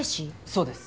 そうです！